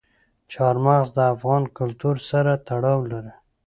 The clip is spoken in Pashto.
چار مغز د افغان کلتور سره تړاو لري.